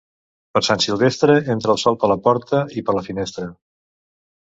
Per Sant Silvestre entra el sol per la porta i per la finestra.